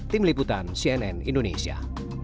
tim liputan cnn indonesia